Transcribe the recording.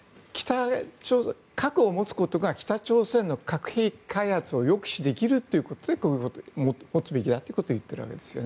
核を持つことが北朝鮮の核兵器開発を抑止できるということで持つべきだということを言っているわけですよね。